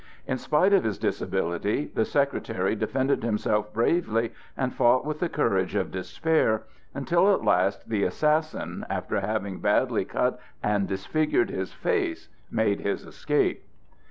In spite of his disability, the Secretary defended himself bravely and fought with the courage of despair, until at last the assassin, after having badly cut and disfigured his face, made his escape.